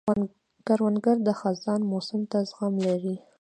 کروندګر د خزان موسم ته زغم لري